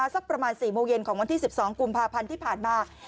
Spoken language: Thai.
สักประมาณ๔โมงเย็นของวันที่๑๒กุมภาพันธ์ที่ผ่านมา